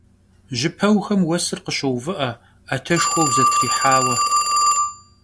Jıpeuxem vuesır khışouvı'e, 'eteşşxueu zetrihaue.